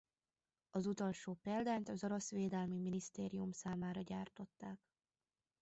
Az utolsó példányt az orosz védelmi minisztérium számára gyártották.